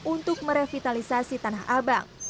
untuk merevitalisasi tanah abang